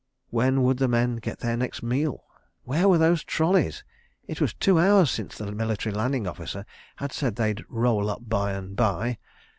When would the men get their next meal? Where were those trolleys? It was two hours since the Military Landing Officer had said they'd "roll up by and by."